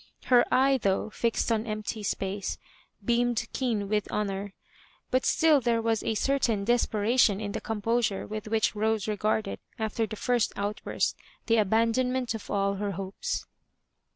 "Her eye, though. fixed on empty space, beamed keen with honour;" but still there was a certain desperation in the composure with which Rosa regarded, after the first outbursti th« abaadonmentof all her hopes.